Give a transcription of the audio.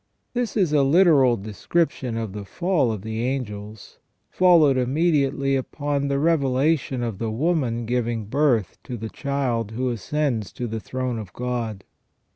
This is a literal description of the fall of the angels, following immediately upon the revelation of the woman giving birth to the Child who ascends to the throne of God.